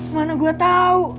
mana gua tau